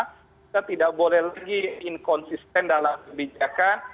kita tidak boleh lagi inkonsisten dalam kebijakan